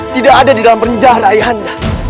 tidak ada di dalam penjara ayah anda